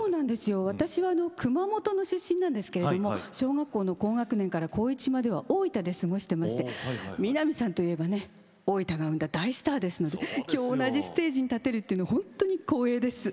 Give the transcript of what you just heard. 私は熊本の出身なんですけど小学校の高学年から高１までは大分で過ごしてまして南さんといえば、大分が生んだ大スターですのできょう、同じステージに立てるの本当に光栄です。